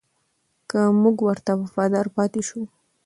که موږ ورته وفادار پاتې شو.